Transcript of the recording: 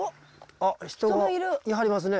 あっ人がいはりますね。